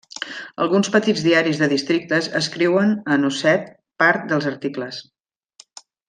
Alguns petits diaris de districtes escriuen en osset part dels articles.